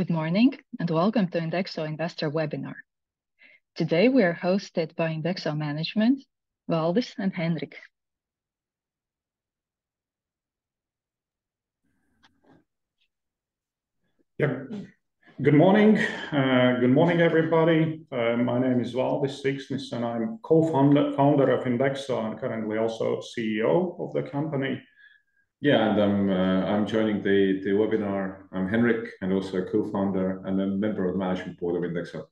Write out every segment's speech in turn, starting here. Good morning and welcome to INDEXO Investor Webinar. Today we are hosted by INDEXO Management, Valdis and Henrik. Yep, good morning. Good morning, everybody. My name is Valdis Siksnis, and I'm Co-founder of INDEXO and currently also CEO of the company. Yeah, and I'm joining the webinar. I'm Henrik and also a co-founder and a member of the management board of INDEXO.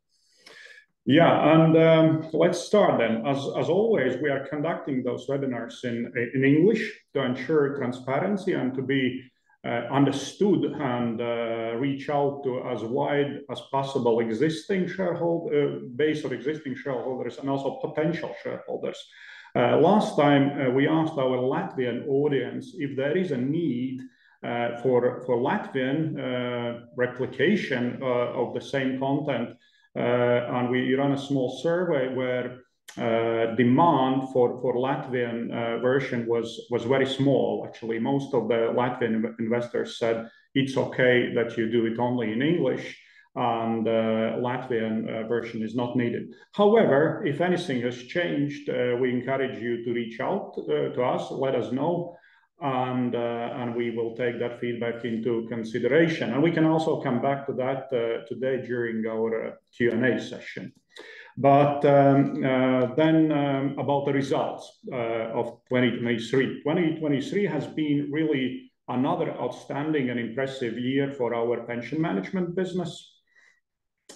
Yeah, and let's start then. As always, we are conducting those webinars in English to ensure transparency and to be understood and reach out to as wide as possible existing shareholder base or existing shareholders and also potential shareholders. Last time we asked our Latvian audience if there is a need for Latvian replication of the same content, and we ran a small survey where demand for Latvian version was very small, actually. Most of the Latvian investors said it's okay that you do it only in English, and Latvian version is not needed. However, if anything has changed, we encourage you to reach out to us, let us know, and we will take that feedback into consideration. And we can also come back to that today during our Q&A session. But then about the results of 2023. 2023 has been really another outstanding and impressive year for our pension management business.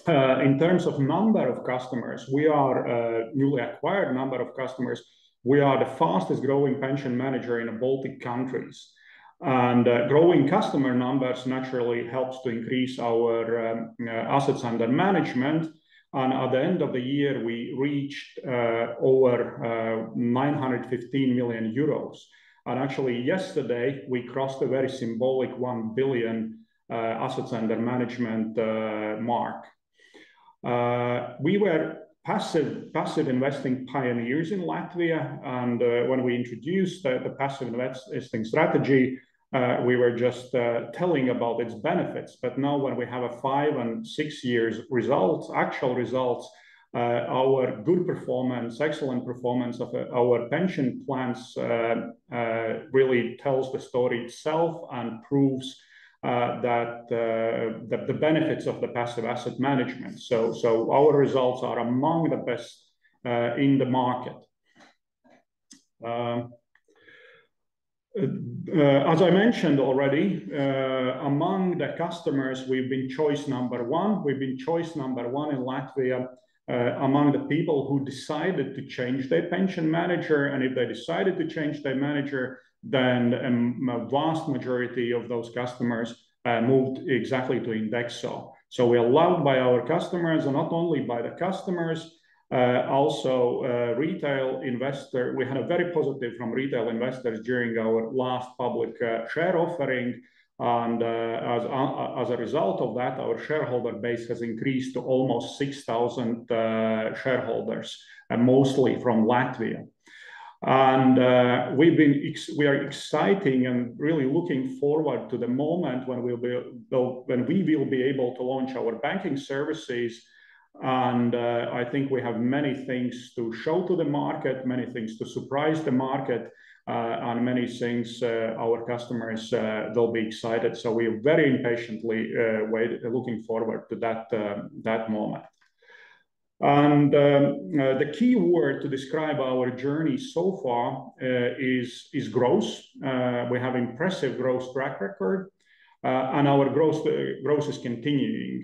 In terms of number of customers, we are a newly acquired number of customers, we are the fastest growing pension manager in the Baltic countries. Growing customer numbers naturally helps to increase our assets under management. At the end of the year, we reached over 915 million euros. Actually, yesterday, we crossed a very symbolic 1 billion assets under management mark. We were passive investing pioneers in Latvia, and when we introduced the passive investing strategy, we were just telling about its benefits. But now when we have a five and six years results, actual results, our good performance, excellent performance of our pension plans really tells the story itself and proves the benefits of the passive asset management. Our results are among the best in the market. As I mentioned already, among the customers, we've been choice number one. We've been choice number one in Latvia among the people who decided to change their pension manager. And if they decided to change their manager, then a vast majority of those customers moved exactly to INDEXO. So we're loved by our customers, and not only by the customers, also retail investors. We had a very positive response from retail investors during our last public share offering. And as a result of that, our shareholder base has increased to almost 6,000 shareholders, mostly from Latvia. And we are exciting and really looking forward to the moment when we will be able to launch our banking services. And I think we have many things to show to the market, many things to surprise the market, and many things our customers will be excited. We are very impatiently looking forward to that moment. The key word to describe our journey so far is growth. We have an impressive growth track record, and our growth is continuing.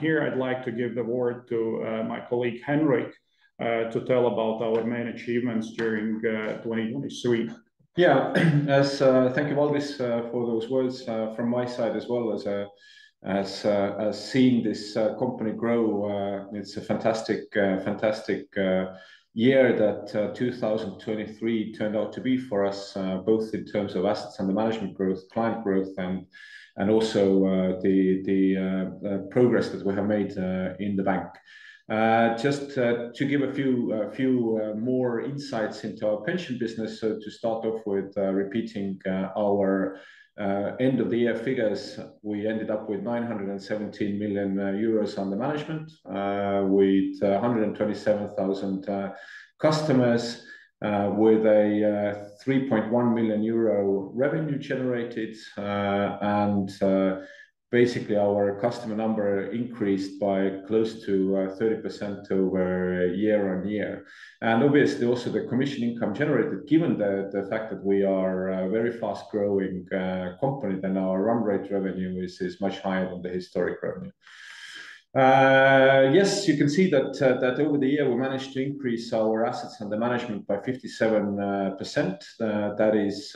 Here I'd like to give the word to my colleague Henrik to tell about our main achievements during 2023. Yeah, thank you, Valdis, for those words from my side as well as seeing this company grow. It's a fantastic year that 2023 turned out to be for us, both in terms of assets under management growth, client growth, and also the progress that we have made in the bank. Just to give a few more insights into our pension business, so to start off with repeating our end-of-the-year figures, we ended up with 917 million euros under management with 127,000 customers, with a 3.1 million euro revenue generated, and basically our customer number increased by close to 30% year-over-year. Obviously, also the commission income generated, given the fact that we are a very fast-growing company and our run rate revenue is much higher than the historic revenue. Yes, you can see that over the year we managed to increase our assets under management by 57%. That is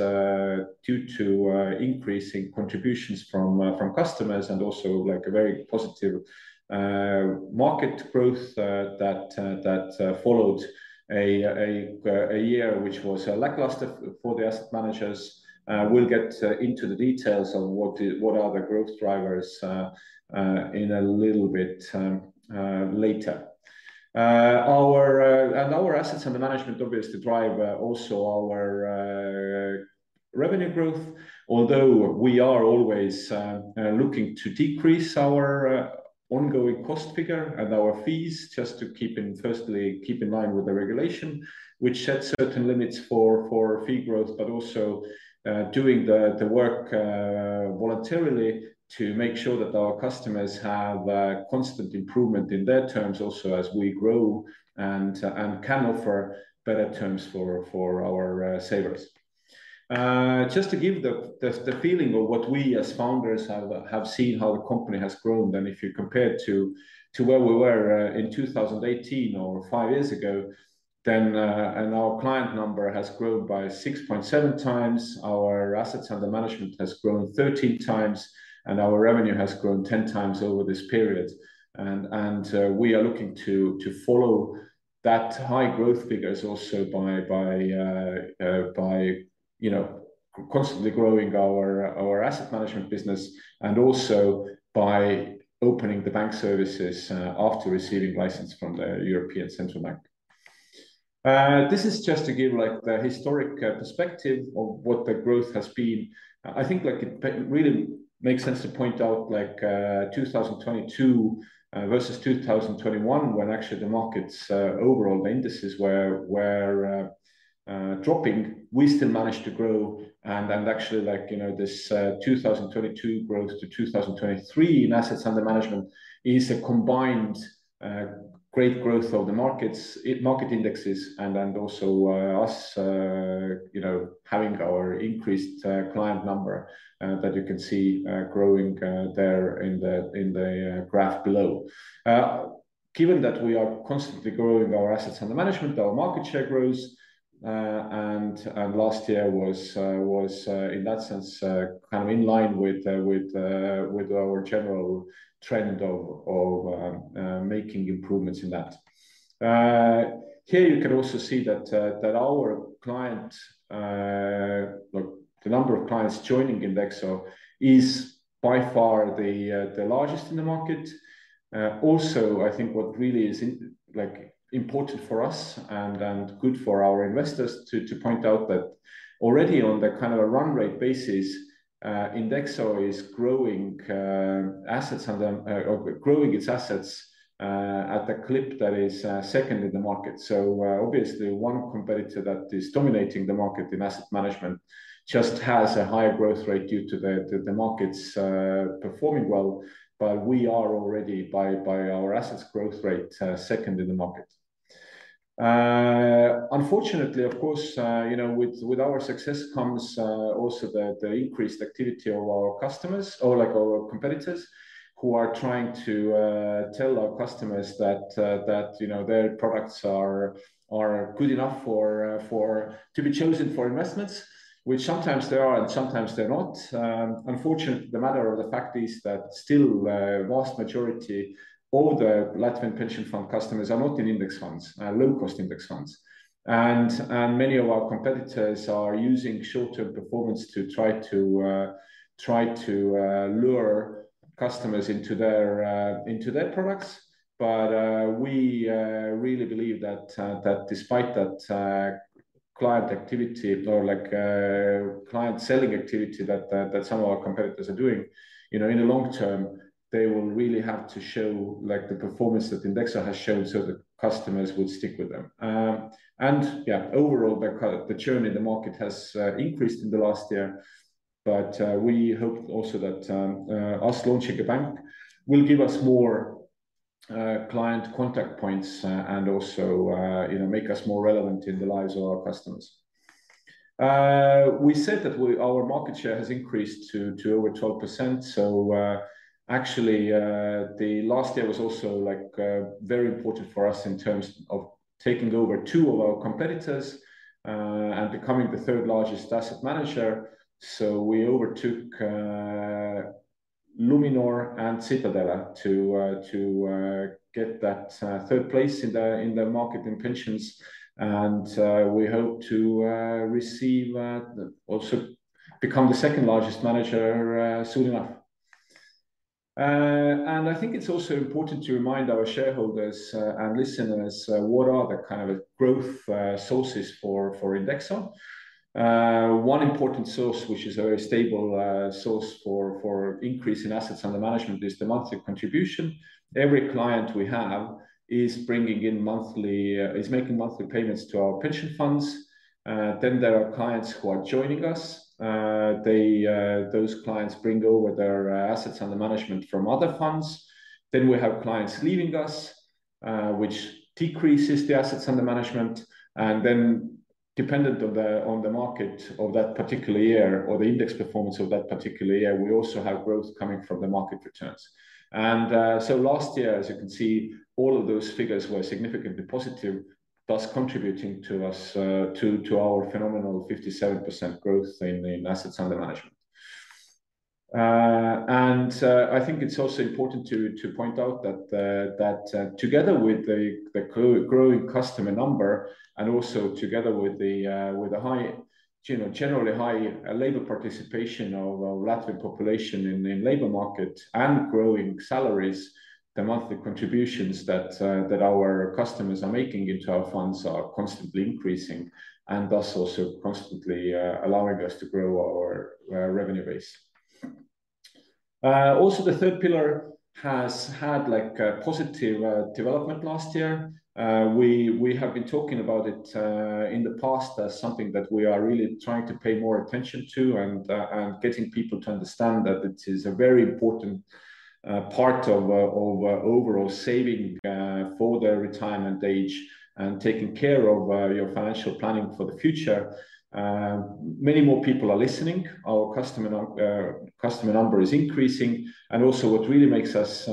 due to increasing contributions from customers and also a very positive market growth that followed a year which was lackluster for the asset managers. We'll get into the details of what are the growth drivers in a little bit later. Our assets under management obviously drive also our revenue growth, although we are always looking to decrease our ongoing cost figure and our fees just to keep in line with the regulation, which sets certain limits for fee growth, but also doing the work voluntarily to make sure that our customers have constant improvement in their terms also as we grow and can offer better terms for our savers. Just to give the feeling of what we as founders have seen, how the company has grown, then if you compare it to where we were in 2018 or five years ago, then our client number has grown by 6.7 times, our assets under management has grown 13 times, and our revenue has grown 10 times over this period. And we are looking to follow that high growth figures also by constantly growing our asset management business and also by opening the bank services after receiving license from the European Central Bank. This is just to give the historic perspective of what the growth has been. I think it really makes sense to point out 2022 versus 2021 when actually the markets, overall the indices were dropping, we still managed to grow. Actually, this 2022 growth to 2023 in assets under management is a combined great growth of the market indexes and also us having our increased client number that you can see growing there in the graph below. Given that we are constantly growing our assets under management, our market share grows, and last year was, in that sense, kind of in line with our general trend of making improvements in that. Here you can also see that our client, the number of clients joining INDEXO, is by far the largest in the market. Also, I think what really is important for us and good for our investors to point out that already on the kind of a run rate basis, INDEXO is growing its assets at the clip that is second in the market. Obviously, one competitor that is dominating the market in asset management just has a higher growth rate due to the markets performing well, but we are already, by our assets growth rate, second in the market. Unfortunately, of course, with our success comes also the increased activity of our customers or our competitors who are trying to tell our customers that their products are good enough to be chosen for investments, which sometimes they are and sometimes they're not. Unfortunately, the matter of the fact is that still a vast majority of the Latvian pension fund customers are not in index funds, low-cost index funds. Many of our competitors are using short-term performance to try to lure customers into their products. But we really believe that despite that client activity or client selling activity that some of our competitors are doing, in the long term, they will really have to show the performance that INDEXO has shown so that customers would stick with them. And yeah, overall, the journey in the market has increased in the last year. But we hope also that us launching a bank will give us more client contact points and also make us more relevant in the lives of our customers. We said that our market share has increased to over 12%. So actually, last year was also very important for us in terms of taking over two of our competitors and becoming the third largest asset manager. So we overtook Luminor and Citadele to get that third place in the market in pensions. We hope to receive, also become the second largest manager soon enough. I think it's also important to remind our shareholders and listeners, what are the kind of growth sources for INDEXO? One important source, which is a very stable source for increase in assets under management, is the monthly contribution. Every client we have is making monthly payments to our pension funds. Then there are clients who are joining us. Those clients bring over their assets under management from other funds. Then we have clients leaving us, which decreases the assets under management. And then dependent on the market of that particular year or the index performance of that particular year, we also have growth coming from the market returns. And so last year, as you can see, all of those figures were significantly positive, thus contributing to our phenomenal 57% growth in assets under management. I think it's also important to point out that together with the growing customer number and also together with the generally high labor participation of the Latvian population in the labor market and growing salaries, the monthly contributions that our customers are making into our funds are constantly increasing and thus also constantly allowing us to grow our revenue base. Also, the third pillar has had positive development last year. We have been talking about it in the past as something that we are really trying to pay more attention to and getting people to understand that it is a very important part of overall saving for their retirement age and taking care of your financial planning for the future. Many more people are listening. Our customer number is increasing. Also what really makes us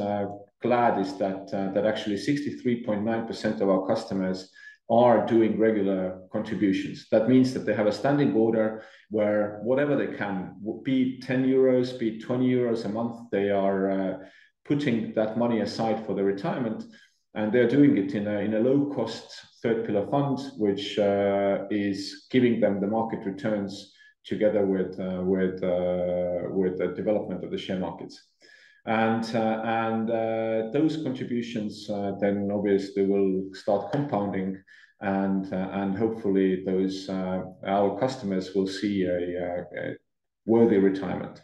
glad is that actually 63.9% of our customers are doing regular contributions. That means that they have a standing order where whatever they can, be it 10 euros, be it 20 euros a month, they are putting that money aside for their retirement. And they're doing it in a low-cost third pillar fund, which is giving them the market returns together with the development of the share markets. And those contributions then obviously will start compounding. And hopefully, our customers will see a worthy retirement.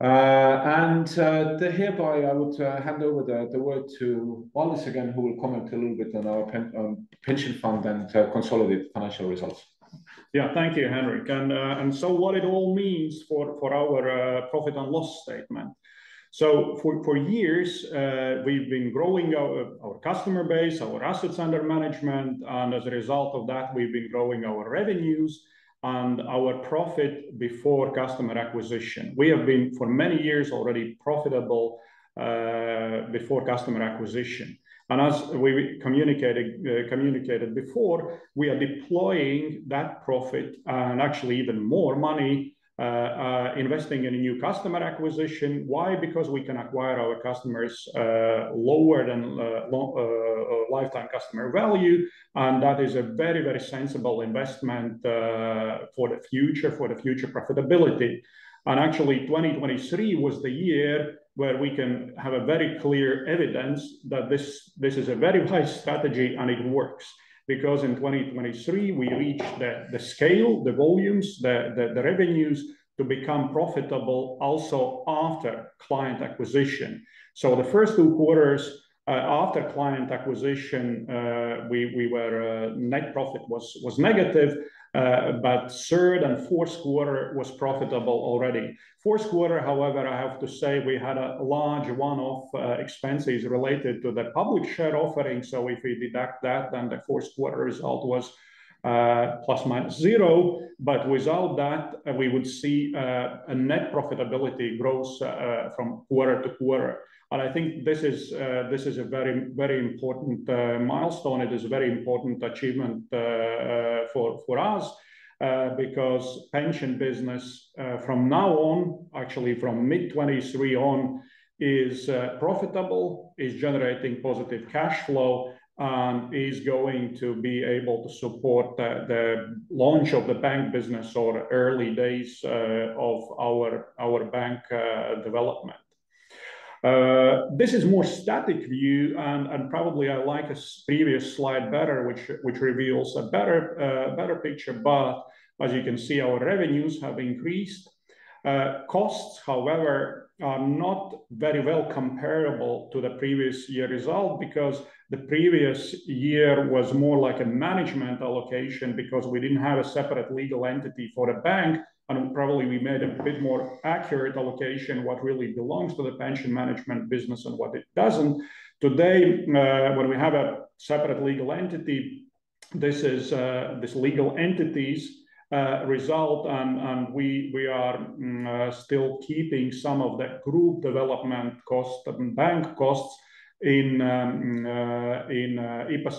And hereby, I would hand over the word to Valdis again, who will comment a little bit on our pension fund and consolidated financial results. Yeah, thank you, Henrik. And so what it all means for our profit and loss statement. So for years, we've been growing our customer base, our assets under management. And as a result of that, we've been growing our revenues and our profit before customer acquisition. We have been for many years already profitable before customer acquisition. And as we communicated before, we are deploying that profit and actually even more money investing in a new customer acquisition. Why? Because we can acquire our customers lower than lifetime customer value. And that is a very, very sensible investment for the future, for the future profitability. And actually, 2023 was the year where we can have very clear evidence that this is a very wise strategy and it works. Because in 2023, we reached the scale, the volumes, the revenues to become profitable also after client acquisition. So the first two quarters after client acquisition, net profit was negative, but third and fourth quarter was profitable already. Fourth quarter, however, I have to say we had a large one-off expenses related to the public share offering. So if we deduct that, then the fourth quarter result was ±0. But without that, we would see a net profitability growth from quarter to quarter. And I think this is a very important milestone. It is a very important achievement for us because pension business from now on, actually from mid-2023 on, is profitable, is generating positive cash flow, and is going to be able to support the launch of the bank business or early days of our bank development. This is a more static view. And probably I like a previous slide better, which reveals a better picture. But as you can see, our revenues have increased. Costs, however, are not very well comparable to the previous year result because the previous year was more like a management allocation because we didn't have a separate legal entity for the bank. And probably we made a bit more accurate allocation what really belongs to the pension management business and what it doesn't. Today, when we have a separate legal entity, these legal entities result, and we are still keeping some of the group development costs and bank costs in IPAS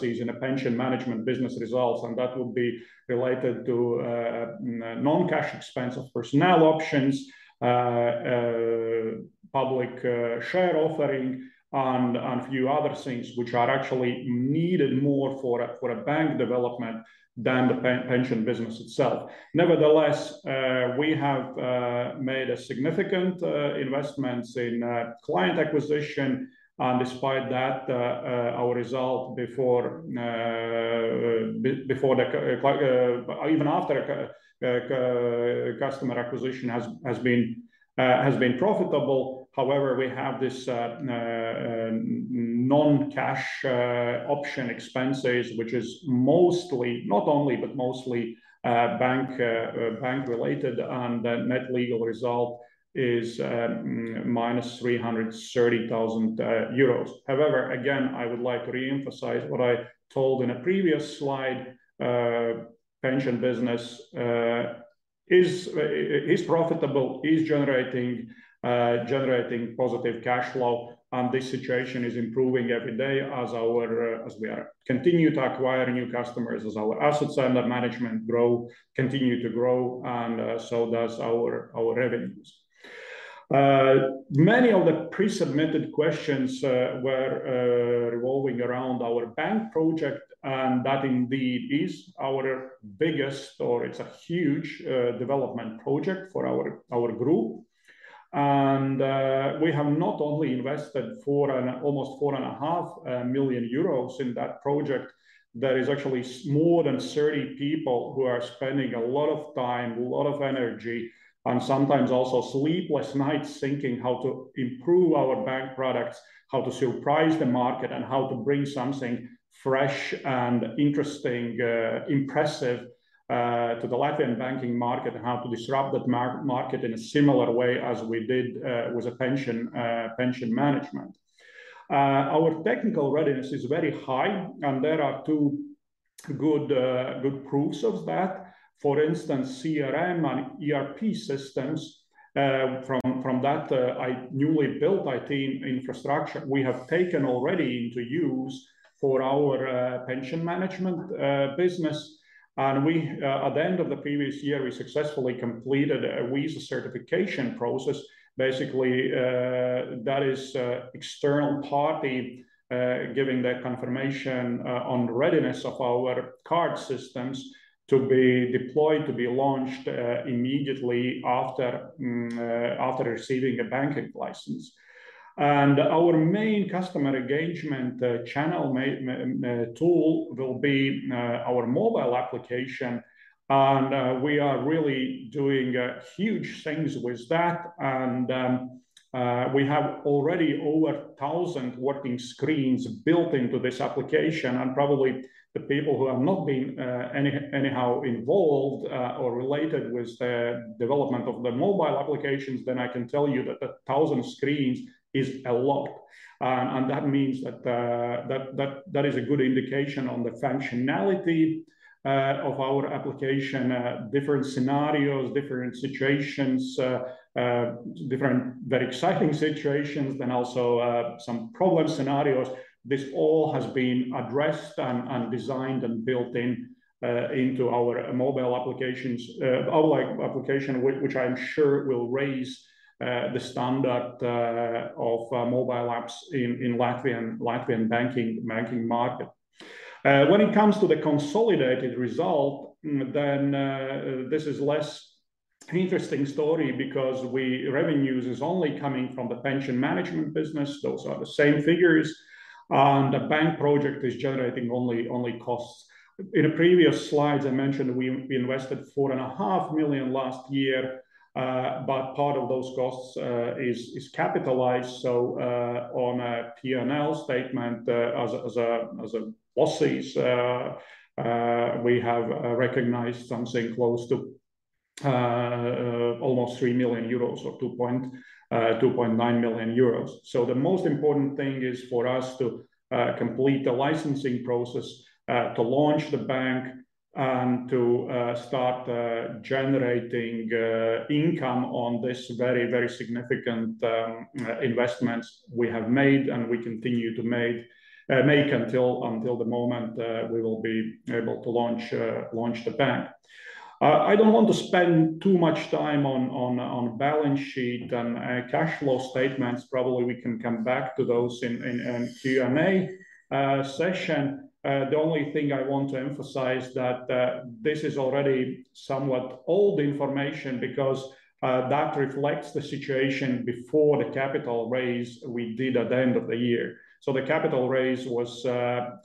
INDEXO, in the pension management business results. And that would be related to non-cash expense of personnel options, public share offering, and a few other things which are actually needed more for a bank development than the pension business itself. Nevertheless, we have made significant investments in client acquisition. And despite that, our result before, and even after customer acquisition has been profitable. However, we have these non-cash option expenses, which is mostly not only, but mostly bank-related. And the net legal result is minus 330,000 euros. However, again, I would like to reemphasize what I told in a previous slide. Pension business is profitable, is generating positive cash flow. And this situation is improving every day as we continue to acquire new customers, as our assets under management continue to grow, and so does our revenues. Many of the pre submitted questions were revolving around our bank project. And that indeed is our biggest, or it's a huge development project for our group. And we have not only invested almost 4.5 million euros in that project. There is actually more than 30 people who are spending a lot of time, a lot of energy, and sometimes also sleepless nights thinking how to improve our bank products, how to surprise the market, and how to bring something fresh and interesting, impressive to the Latvian banking market, and how to disrupt that market in a similar way as we did with pension management. Our technical readiness is very high. There are two good proofs of that. For instance, CRM and ERP systems from that newly built IT infrastructure we have taken already into use for our pension management business. At the end of the previous year, we successfully completed a Visa certification process. Basically, that is an external party giving the confirmation on the readiness of our card systems to be deployed, to be launched immediately after receiving a banking license. And our main customer engagement channel tool will be our mobile application. And we are really doing huge things with that. And we have already over 1,000 working screens built into this application. And probably the people who have not been anyhow involved or related with the development of the mobile applications, then I can tell you that the 1,000 screens is a lot. And that means that that is a good indication on the functionality of our application, different scenarios, different situations, different very exciting situations, then also some problem scenarios. This all has been addressed and designed and built into our mobile applications, which I'm sure will raise the standard of mobile apps in the Latvian banking market. When it comes to the consolidated result, then this is a less interesting story because revenues are only coming from the pension management business. Those are the same figures. The bank project is generating only costs. In the previous slides, I mentioned we invested 4.5 million last year. Part of those costs is capitalized. On a P&L statement, as losses, we have recognized something close to almost 3 million euros or 2.9 million euros. The most important thing is for us to complete the licensing process, to launch the bank, and to start generating income on these very, very significant investments we have made and we continue to make until the moment we will be able to launch the bank. I don't want to spend too much time on balance sheet and cash flow statements. Probably we can come back to those in a Q&A session. The only thing I want to emphasize is that this is already somewhat old information because that reflects the situation before the capital raise we did at the end of the year. So the capital raise was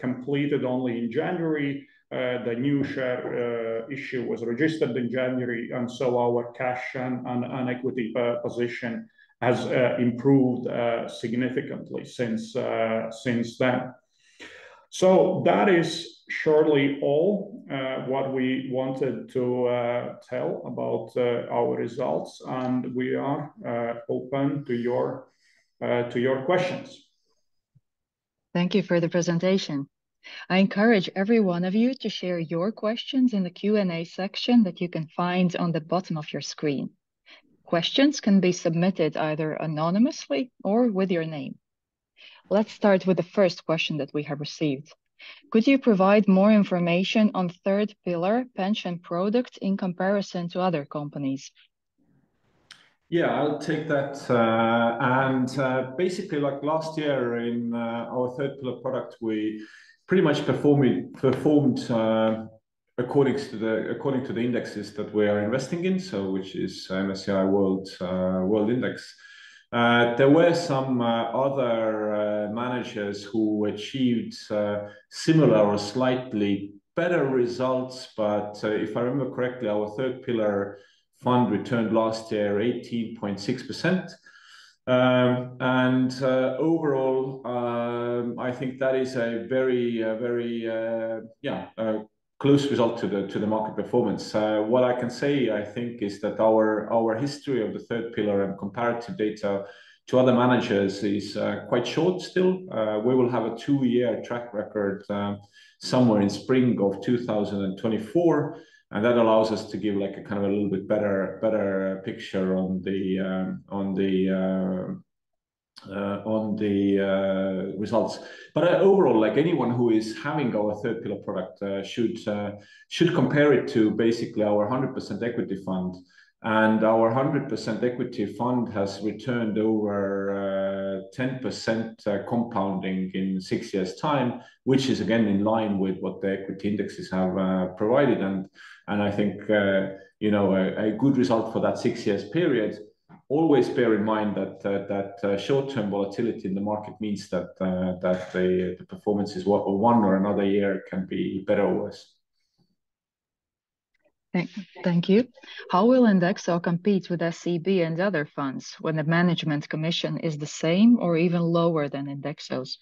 completed only in January. The new share issue was registered in January. And so our cash and equity position has improved significantly since then. So that is shortly all what we wanted to tell about our results. And we are open to your questions. Thank you for the presentation. I encourage every one of you to share your questions in the Q&A section that you can find on the bottom of your screen. Questions can be submitted either anonymously or with your name. Let's start with the first question that we have received. Could you provide more information on third pillar pension product in comparison to other companies? Yeah, I'll take that. And basically, like last year in our third pillar product, we pretty much performed according to the indexes that we are investing in, which is MSCI World Index. There were some other managers who achieved similar or slightly better results. But if I remember correctly, our third pillar fund returned last year 18.6%. And overall, I think that is a very, yeah, close result to the market performance. What I can say, I think, is that our history of the third pillar and comparative data to other managers is quite short still. We will have a two-year track record somewhere in spring of 2024. And that allows us to give a kind of a little bit better picture on the results. But overall, anyone who is having our third pillar product should compare it to basically our 100% equity fund. Our 100% equity fund has returned over 10% compounding in six years' time, which is again in line with what the equity indexes have provided. I think a good result for that six-year period. Always bear in mind that short-term volatility in the market means that the performance is one or another year can be better or worse. Thank you. How will INDEXO compete with SEB and other funds when the management commission is the same or even lower than INDEXO's?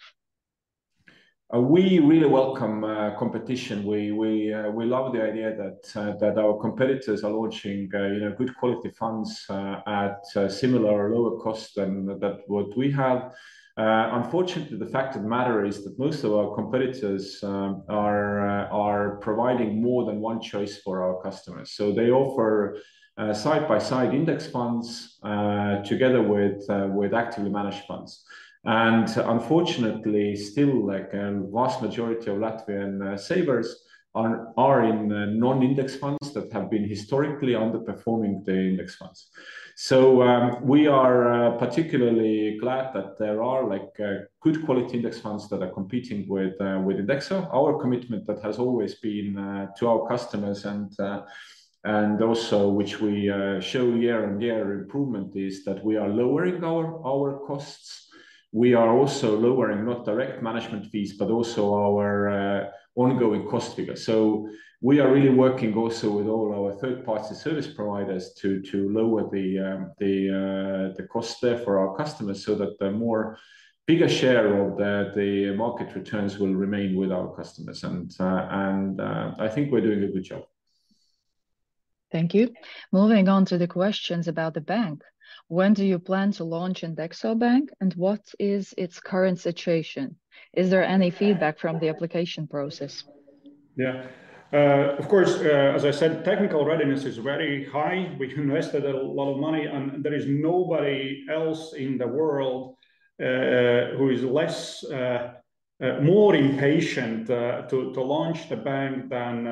We really welcome competition. We love the idea that our competitors are launching good quality funds at similar or lower costs than what we have. Unfortunately, the fact of the matter is that most of our competitors are providing more than one choice for our customers. So they offer side-by-side index funds together with actively managed funds. And unfortunately, still, a vast majority of Latvian savers are in non-index funds that have been historically underperforming the index funds. So we are particularly glad that there are good quality index funds that are competing with INDEXO. Our commitment that has always been to our customers and also which we show year-on-year improvement is that we are lowering our costs. We are also lowering not direct management fees, but also our ongoing cost figures. We are really working also with all our third-party service providers to lower the cost there for our customers so that the bigger share of the market returns will remain with our customers. I think we're doing a good job. Thank you. Moving on to the questions about the bank. When do you plan to launch INDEXO Bank, and what is its current situation? Is there any feedback from the application process? Yeah. Of course, as I said, technical readiness is very high. We invested a lot of money. There is nobody else in the world who is more impatient to launch the bank than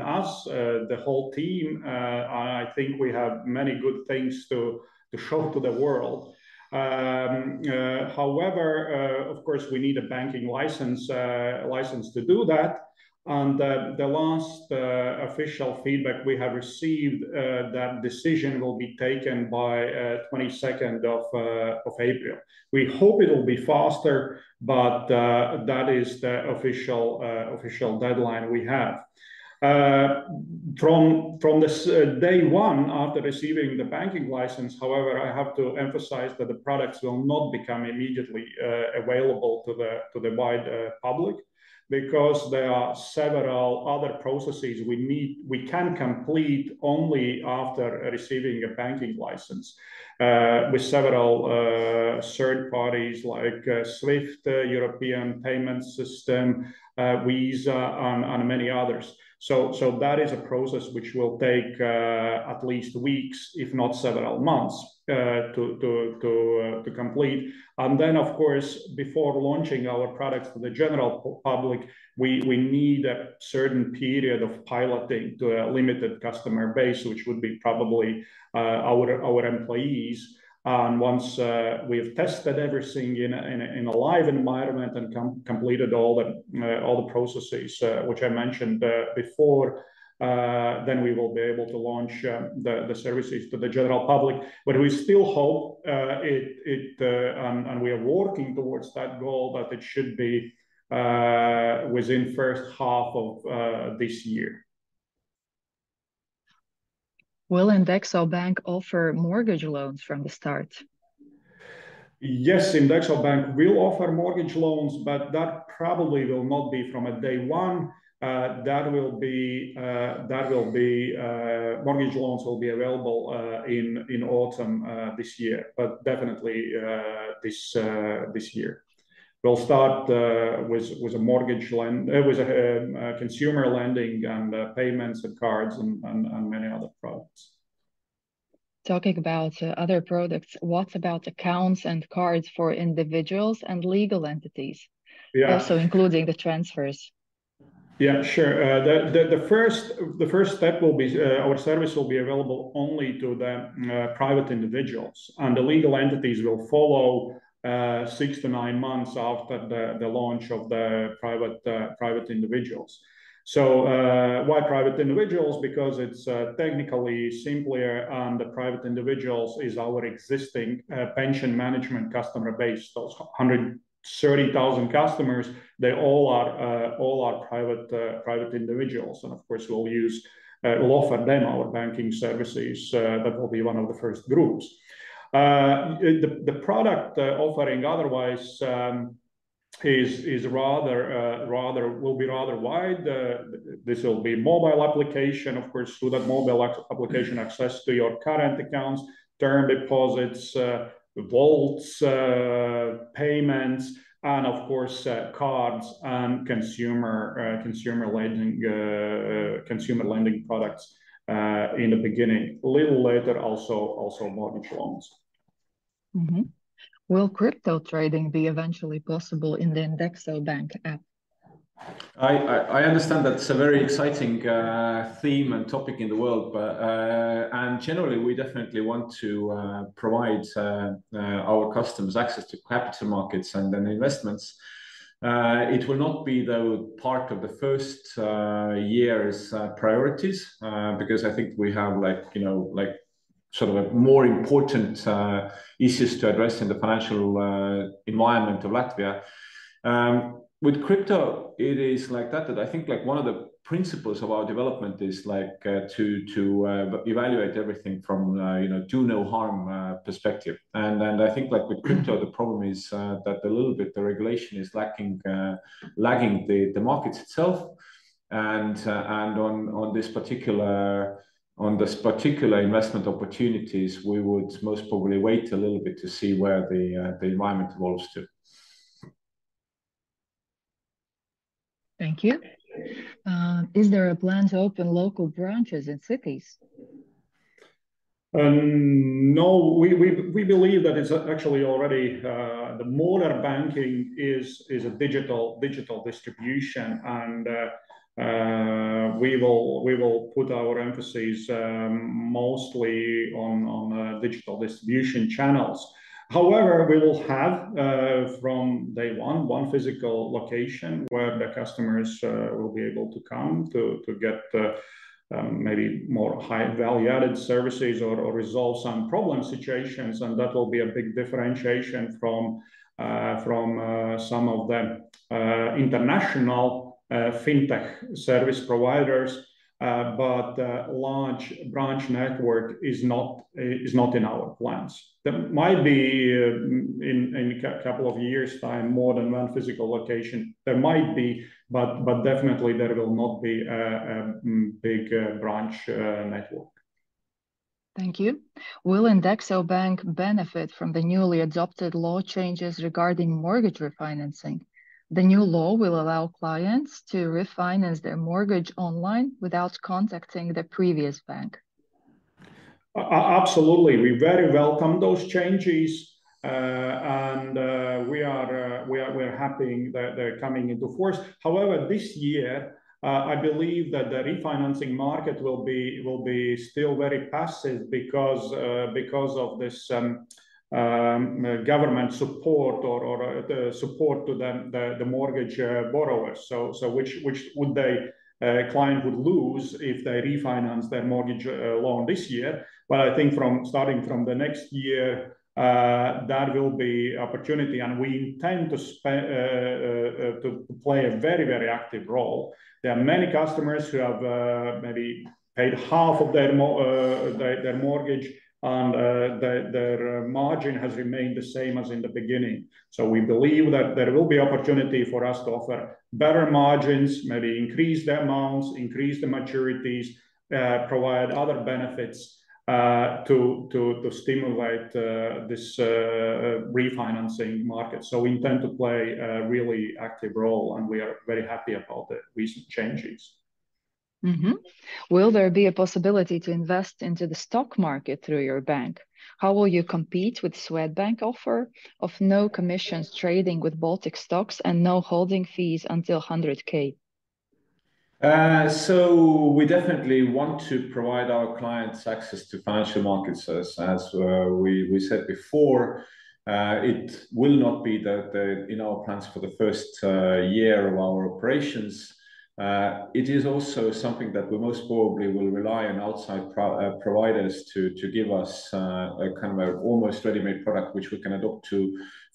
us, the whole team. I think we have many good things to show to the world. However, of course, we need a banking license to do that. The last official feedback we have received is that the decision will be taken by the 22nd of April. We hope it will be faster, but that is the official deadline we have. From day one after receiving the banking license, however, I have to emphasize that the products will not become immediately available to the wide public because there are several other processes we can complete only after receiving a banking license with several third parties like SWIFT, European payments system, Visa, and many others. That is a process which will take at least weeks, if not several months, to complete. Then, of course, before launching our products to the general public, we need a certain period of piloting to a limited customer base, which would be probably our employees. Once we have tested everything in a live environment and completed all the processes which I mentioned before, then we will be able to launch the services to the general public. But we still hope, and we are working towards that goal, that it should be within the first half of this year. Will INDEXO Bank offer mortgage loans from the start? Yes, INDEXO Bank will offer mortgage loans, but that probably will not be from day one. Mortgage loans will be available in autumn this year, but definitely this year. We'll start with a mortgage loan, with consumer lending and payments and cards and many other products. Talking about other products, what about accounts and cards for individuals and legal entities, also including the transfers? Yeah, sure. The first step will be our service will be available only to the private individuals. The legal entities will follow six-nine months after the launch of the private individuals. So why private individuals? Because it's technically simpler. The private individuals are our existing pension management customer base. Those 130,000 customers, they all are private individuals. And of course, we'll offer them our banking services. That will be one of the first groups. The product offering otherwise will be rather wide. This will be a mobile application, of course, through that mobile application access to your current accounts, term deposits, vaults, payments, and of course, cards and consumer lending products in the beginning. A little later, also mortgage loans. Will crypto trading be eventually possible in the INDEXO Bank app? I understand that it's a very exciting theme and topic in the world. Generally, we definitely want to provide our customers access to capital markets and then investments. It will not be, though, part of the first year's priorities because I think we have sort of more important issues to address in the financial environment of Latvia. With crypto, it is like that. I think one of the principles of our development is to evaluate everything from a do-no-harm perspective. I think with crypto, the problem is that a little bit the regulation is lagging the markets itself. On this particular investment opportunities, we would most probably wait a little bit to see where the environment evolves to. Thank you. Is there a plan to open local branches in cities? No, we believe that it's actually already the modern banking is a digital distribution. We will put our emphasis mostly on digital distribution channels. However, we will have from day one one physical location where the customers will be able to come to get maybe more high-value-added services or resolve some problem situations. That will be a big differentiation from some of the international fintech service providers. A large branch network is not in our plans. There might be, in a couple of years' time, more than one physical location. There might be, but definitely, there will not be a big branch network. Thank you. Will INDEXO Bank benefit from the newly adopted law changes regarding mortgage refinancing? The new law will allow clients to refinance their mortgage online without contacting the previous bank. Absolutely. We very welcome those changes. We are happy they're coming into force. However, this year, I believe that the refinancing market will be still very passive because of this government support or support to the mortgage borrowers, which clients would lose if they refinance their mortgage loan this year. I think starting from the next year, that will be an opportunity. We intend to play a very, very active role. There are many customers who have maybe paid half of their mortgage, and their margin has remained the same as in the beginning. We believe that there will be opportunity for us to offer better margins, maybe increase the amounts, increase the maturities, provide other benefits to stimulate this refinancing market. We intend to play a really active role. We are very happy about the recent changes. Will there be a possibility to invest into the stock market through your bank? How will you compete with Swedbank's offer of no commissions trading with Baltic stocks and no holding fees until 100,000? We definitely want to provide our clients access to financial markets. As we said before, it will not be in our plans for the first year of our operations. It is also something that we most probably will rely on outside providers to give us a kind of almost ready-made product which we can adopt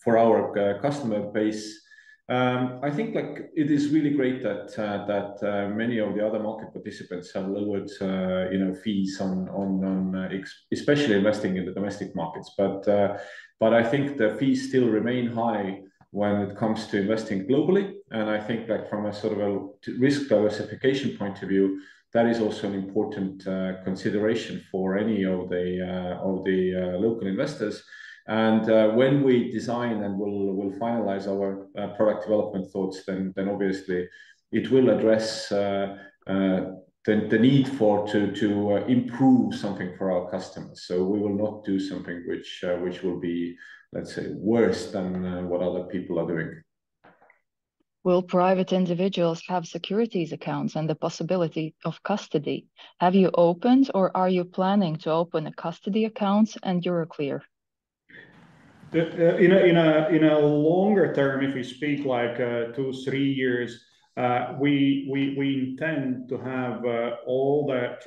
for our customer base. I think it is really great that many of the other market participants have lowered fees, especially investing in the domestic markets. I think the fees still remain high when it comes to investing globally. I think from a sort of a risk diversification point of view, that is also an important consideration for any of the local investors. When we design and will finalize our product development thoughts, then obviously, it will address the need to improve something for our customers. We will not do something which will be, let's say, worse than what other people are doing. Will private individuals have securities accounts and the possibility of custody? Have you opened, or are you planning to open a custody account, and you're clear? In a longer term, if we speak two, three years, we intend to have all the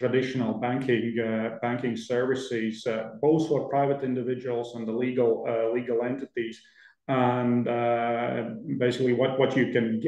traditional banking services, both for private individuals and the legal entities. Basically, what you can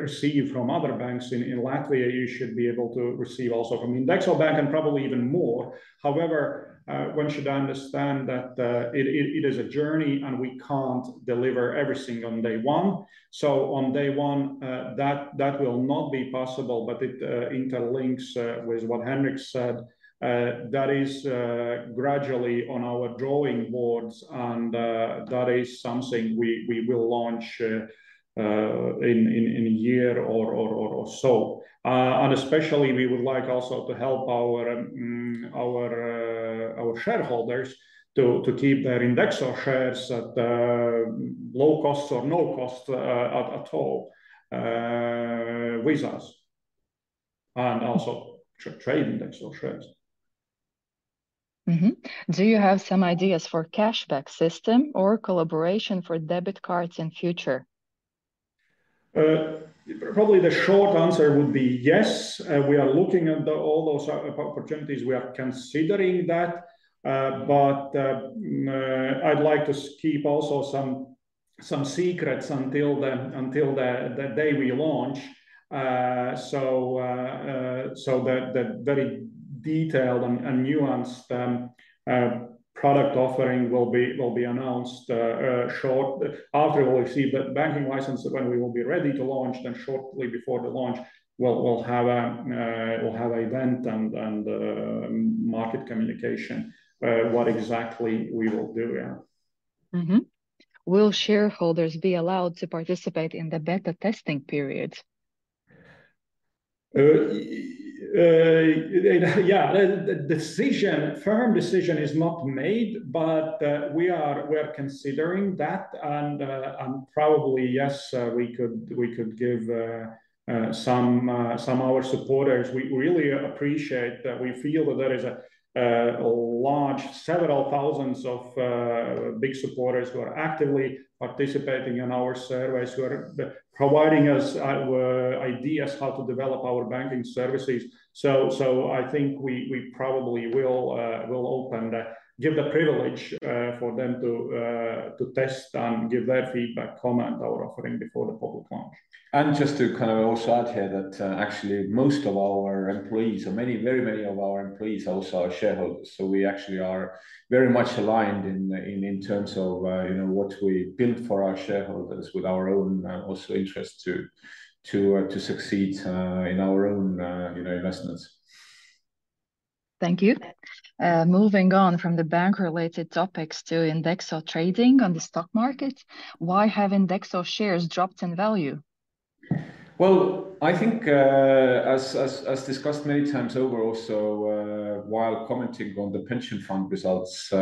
receive from other banks in Latvia, you should be able to receive also from INDEXO Bank and probably even more. However, one should understand that it is a journey, and we can't deliver everything on day one. On day one, that will not be possible. It interlinks with what Henrik said. That is gradually on our drawing boards. That is something we will launch in a year or so. Especially, we would like also to help our shareholders to keep their INDEXO shares at low cost or no cost at all with us and also trade INDEXO shares. Do you have some ideas for a cashback system or collaboration for debit cards in the future? Probably the short answer would be yes. We are looking at all those opportunities. We are considering that. But I'd like to keep also some secrets until the day we launch. So that very detailed and nuanced product offering will be announced shortly after we receive the banking license. When we will be ready to launch, then shortly before the launch, we'll have an event and market communication about what exactly we will do. Will shareholders be allowed to participate in the beta testing period? Yeah, the firm decision is not made, but we are considering that. Probably, yes, we could give some of our supporters. We really appreciate that. We feel that there are several thousands of big supporters who are actively participating in our surveys, who are providing us ideas how to develop our banking services. So I think we probably will give the privilege for them to test and give their feedback, comment on our offering before the public launch. Just to kind of also add here that actually, most of our employees or very many of our employees are also our shareholders. We actually are very much aligned in terms of what we build for our shareholders with our own also interest to succeed in our own investments. Thank you. Moving on from the bank-related topics to INDEXO trading on the stock market, why have INDEXO shares dropped in value? Well, I think, as discussed many times over also while commenting on the pension fund results,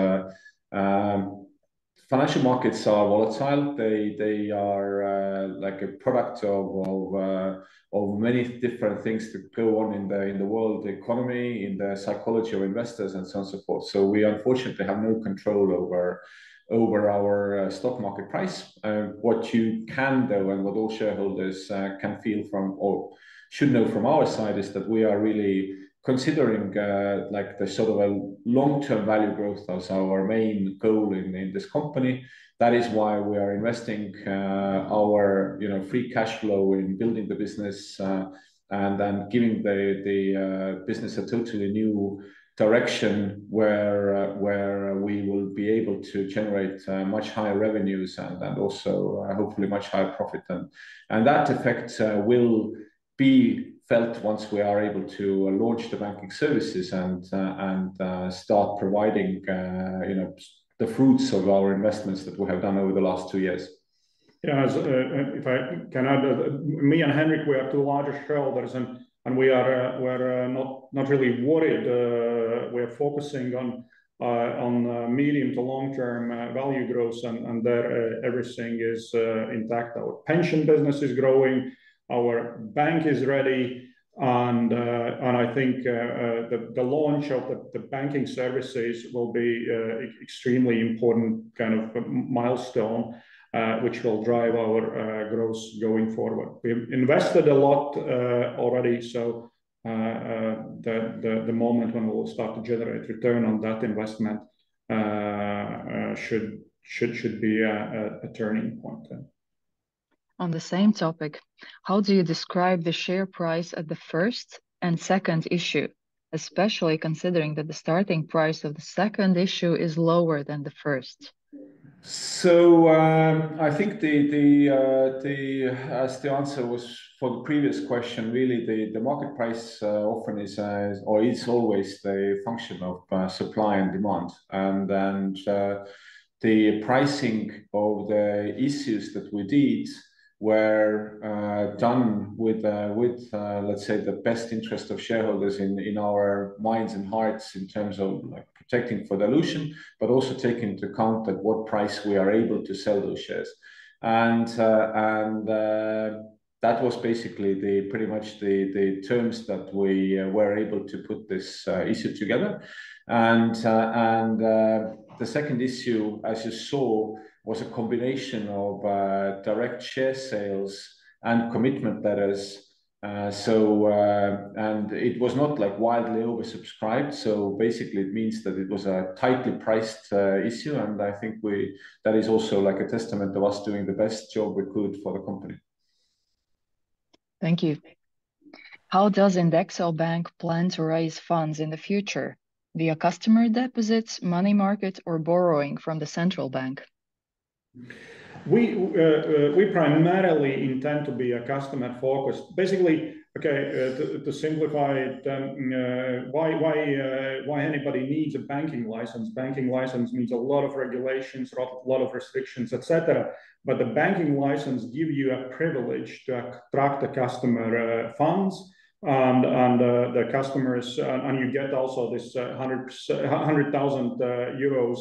financial markets are volatile. They are a product of many different things that go on in the world economy, in the psychology of investors, and so on and so forth. So we, unfortunately, have no control over our stock market price. What you can, though, and what all shareholders can feel from or should know from our side is that we are really considering the sort of long-term value growth as our main goal in this company. That is why we are investing our free cash flow in building the business and then giving the business a totally new direction where we will be able to generate much higher revenues and also hopefully much higher profit. That effect will be felt once we are able to launch the banking services and start providing the fruits of our investments that we have done over the last two years. Yeah, if I can add, me and Henrik, we are two larger shareholders, and we are not really worried. We are focusing on medium to long-term value growth, and there everything is intact. Our pension business is growing. Our bank is ready. I think the launch of the banking services will be an extremely important kind of milestone, which will drive our growth going forward. We invested a lot already. The moment when we will start to generate return on that investment should be a turning point. On the same topic, how do you describe the share price at the first and second issue, especially considering that the starting price of the second issue is lower than the first? So I think, as the answer was for the previous question, really, the market price often is or is always a function of supply and demand. The pricing of the issues that we did were done with, let's say, the best interest of shareholders in our minds and hearts in terms of protecting for dilution, but also taking into account at what price we are able to sell those shares. That was basically pretty much the terms that we were able to put this issue together. The second issue, as you saw, was a combination of direct share sales and commitment letters. It was not wildly oversubscribed. So basically, it means that it was a tightly priced issue. I think that is also a testament to us doing the best job we could for the company. Thank you. How does INDEXO Bank plan to raise funds in the future via customer deposits, money market, or borrowing from the central bank? We primarily intend to be a customer-focused. Basically, okay, to simplify it, why anybody needs a banking license? Banking license means a lot of regulations, a lot of restrictions, etc. But the banking license gives you a privilege to attract the customer funds. And you get also this 100,000 euros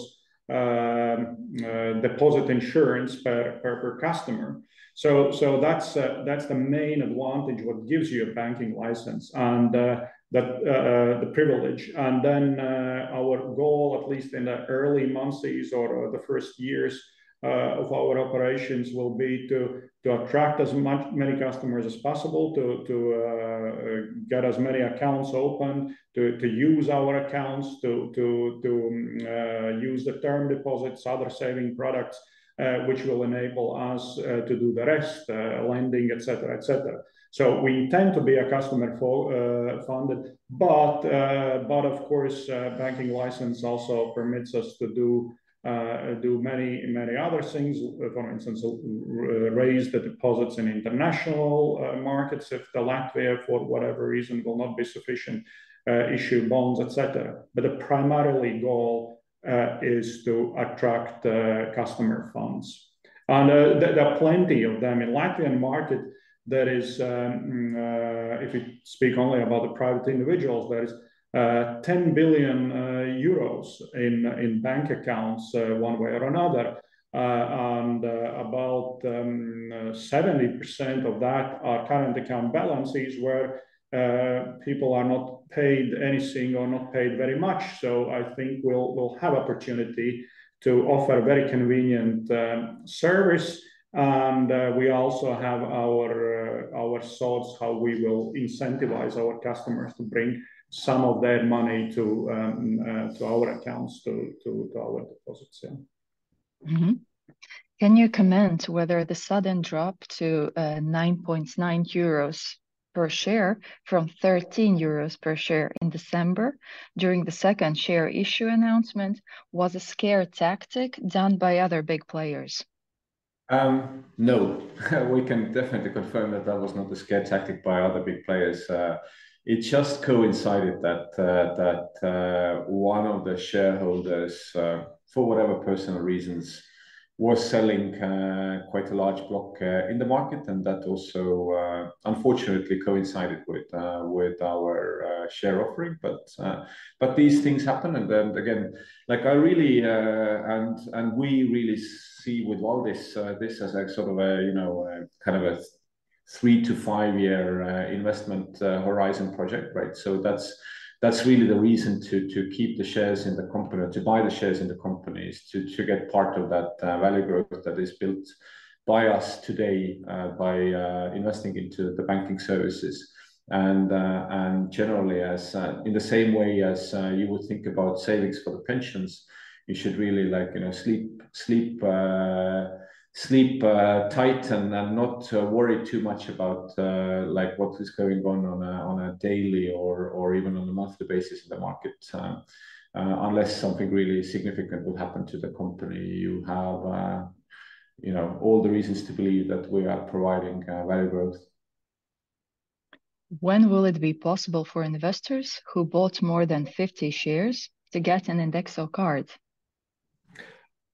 deposit insurance per customer. So that's the main advantage, what gives you a banking license, and the privilege. And then our goal, at least in the early months or the first years of our operations, will be to attract as many customers as possible, to get as many accounts opened, to use our accounts, to use the term deposits, other saving products, which will enable us to do the rest, lending, etc., etc. So we intend to be a customer-funded. But of course, a banking license also permits us to do many, many other things. For instance, raise the deposits in international markets. If the Latvian, for whatever reason, will not be sufficient, issue bonds, etc. But the primary goal is to attract customer funds. And there are plenty of them in the Latvian market. If we speak only about the private individuals, there is 10 billion euros in bank accounts one way or another. And about 70% of that are current account balances where people are not paid anything or not paid very much. So I think we'll have the opportunity to offer a very convenient service. And we also have our thoughts on how we will incentivize our customers to bring some of their money to our accounts, to our deposits. Can you comment whether the sudden drop to 9.9 euros per share from 13 euros per share in December during the second share issue announcement was a scare tactic done by other big players? No, we can definitely confirm that that was not a scare tactic by other big players. It just coincided that one of the shareholders, for whatever personal reasons, was selling quite a large block in the market. That also, unfortunately, coincided with our share offering. These things happen. Again, I really and we really see with Valdis this as sort of a kind of a three-five-year investment horizon project, right? So that's really the reason to keep the shares in the company, to buy the shares in the companies, to get part of that value growth that is built by us today by investing into the banking services. Generally, in the same way as you would think about savings for the pensions, you should really sleep tight and not worry too much about what is going on on a daily or even on a monthly basis in the market unless something really significant would happen to the company. You have all the reasons to believe that we are providing value growth. When will it be possible for investors who bought more than 50 shares to get an INDEXO card?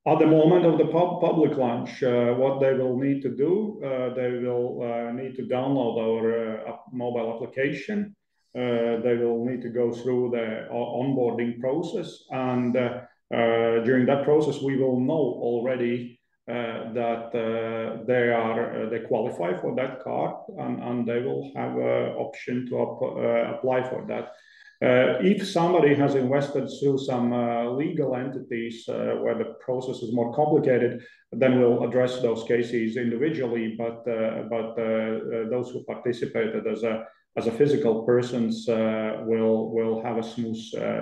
At the moment of the public launch, what they will need to do, they will need to download our mobile application. They will need to go through the onboarding process. And during that process, we will know already that they qualify for that card, and they will have an option to apply for that. If somebody has invested through some legal entities where the process is more complicated, then we'll address those cases individually. But those who participated as a physical person will have a smooth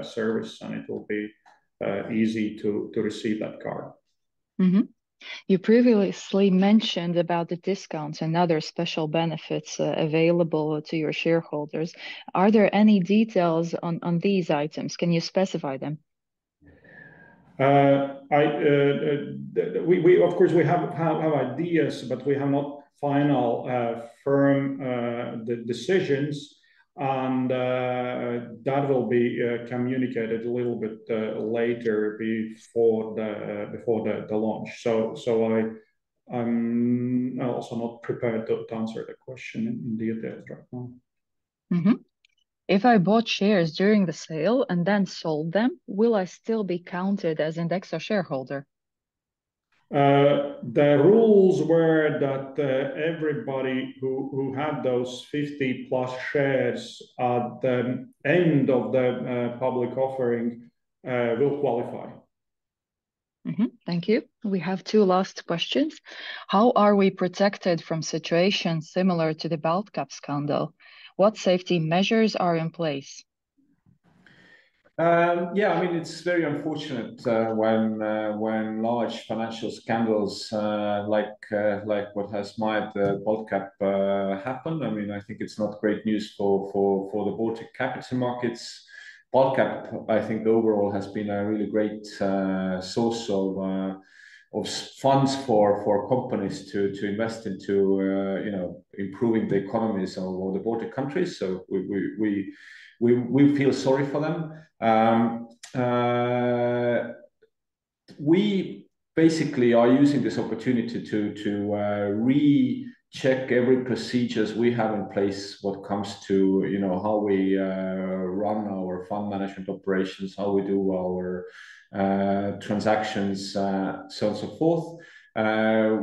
service, and it will be easy to receive that card. You previously mentioned about the discounts and other special benefits available to your shareholders. Are there any details on these items? Can you specify them? Of course, we have ideas, but we have not final firm decisions. That will be communicated a little bit later before the launch. I'm also not prepared to answer the question in details right now. If I bought shares during the sale and then sold them, will I still be counted as an INDEXO shareholder? The rules were that everybody who had those 50+ shares at the end of the public offering will qualify. Thank you. We have two last questions. How are we protected from situations similar to the BaltCap scandal? What safety measures are in place? Yeah, I mean, it's very unfortunate when large financial scandals like what has made BaltCap happen. I mean, I think it's not great news for the Baltic capital markets. BaltCap, I think, overall has been a really great source of funds for companies to invest into improving the economies of the Baltic countries. So we feel sorry for them. We basically are using this opportunity to recheck every procedure we have in place when it comes to how we run our fund management operations, how we do our transactions, so on and so forth.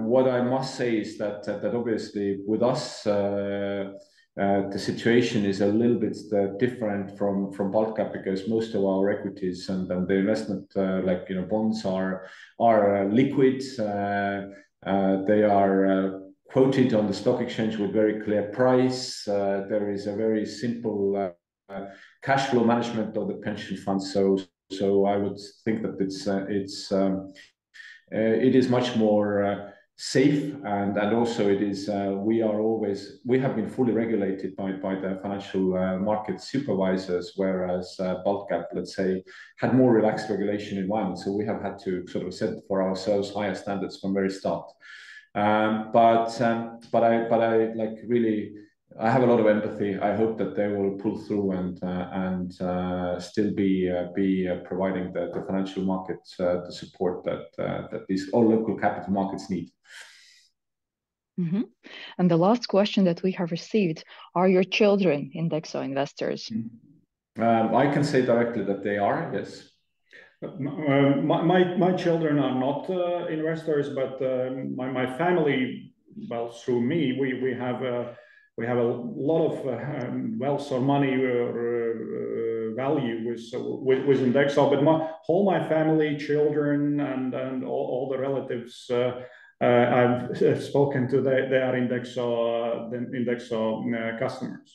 What I must say is that obviously, with us, the situation is a little bit different from BaltCap because most of our equities and the investment bonds are liquid. They are quoted on the stock exchange with a very clear price. There is a very simple cash flow management of the pension fund. I would think that it is much more safe. Also, we have been fully regulated by the financial market supervisors, whereas BaltCap, let's say, had more relaxed regulation in mind. We have had to sort of set for ourselves higher standards from the very start. Really, I have a lot of empathy. I hope that they will pull through and still be providing the financial markets the support that all local capital markets need. The last question that we have received: Are your children INDEXO investors? I can say directly that they are, yes. My children are not investors. But my family, well, through me, we have a lot of wealth or money value with INDEXO. But all my family, children, and all the relatives I've spoken to, they are INDEXO customers.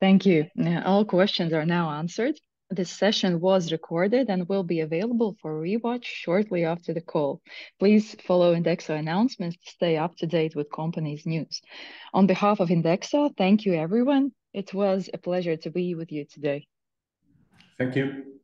Thank you. All questions are now answered. This session was recorded and will be available for rewatch shortly after the call. Please follow INDEXO announcements to stay up to date with companies' news. On behalf of INDEXO, thank you, everyone. It was a pleasure to be with you today. Thank you.